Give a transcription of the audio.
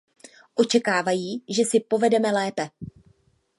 Očekávají, že si povedeme lépe.